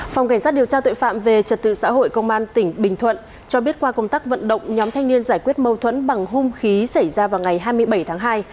phòng cảnh sát điều tra tội phạm về trật tự xã hội công an tỉnh bình thuận cho biết qua công tác vận động nhóm thanh niên giải quyết mâu thuẫn bằng hung khí xảy ra vào ngày hai mươi bảy tháng hai